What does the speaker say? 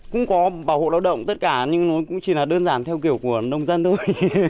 cũng có bảo hộ lao động tất cả nhưng nó cũng chỉ là đơn giản theo kiểu của nông dân thôi